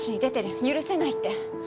許せないって。